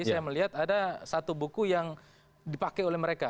saya melihat ada satu buku yang dipakai oleh mereka